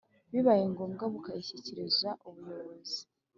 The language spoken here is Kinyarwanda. Bibaye ngombwa bukayishyikiriza ubuyobozi